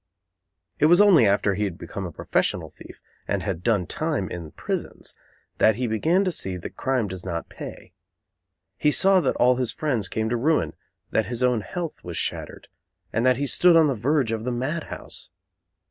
It was only after he had become a professional thief and had done time in the prisons that he began to see that crime does not pay. He saw that all his friends came to ruin, that his own health was shattered, and that he stood on the verge of the mad house.